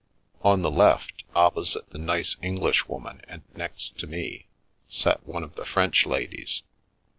On the left, opposite the nice Englishwoman and next to me, sat one of the French ladies.